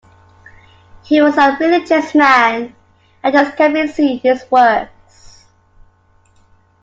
He was a religious man, and this can be seen in his works.